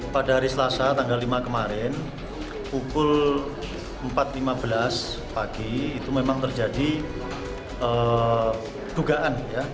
pada hari selasa tanggal lima kemarin pukul empat lima belas pagi itu memang terjadi dugaan